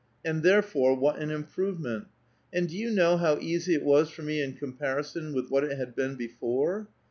And therefore what an improvement. And do you know how easy it was for me iu comparison with what it had been before?